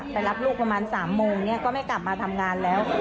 รับลูกประมาณ๓โมงเนี่ยก็ไม่กลับมาทำงานแล้ว